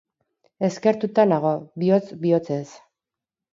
Eskertuta nago, bihotz-bihotzez.